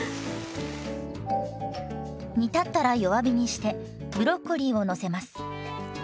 煮立ったら弱火にしてブロッコリーをのせます。